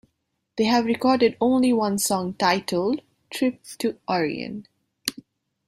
They have recorded only one song, titled "Trip to Orion".